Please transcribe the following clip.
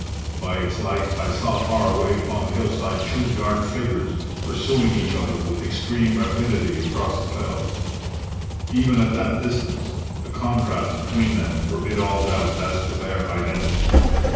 By its light I saw far away upon the hillside two dark figures pursuing each other with extreme rapidity across the fells. Even at that distance the contrast between them forbid all doubt as to their identity.